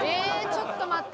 ちょっと待って。